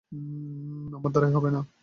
আমার দ্বারা হবেই না।